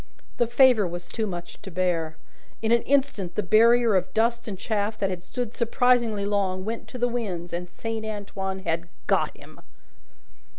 The favour was too much to bear; in an instant the barrier of dust and chaff that had stood surprisingly long, went to the winds, and Saint Antoine had got him!